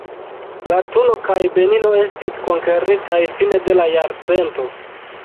Latuno kaj Benino estis konkeritaj fine de la jarcento.